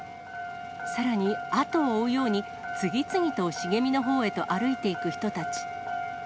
さらに、後を追うように、次々と茂みのほうへと歩いていく人たち。